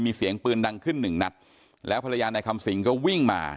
มีเสียงปืนดังขึ้นหนึ่งนัดแล้วภรรยานายคำสิงก็วิ่งมา